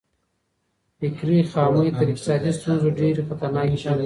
فکري خامۍ تر اقتصادي ستونزو ډېرې خطرناکې دي.